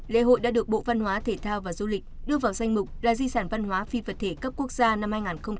lễ hội đã được bộ văn hóa thể thao và du lịch đưa vào danh mục là di sản văn hóa phi vật thể cấp quốc gia năm hai nghìn một mươi chín